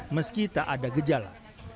meski tak ada gejala